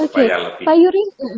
oke pak yuri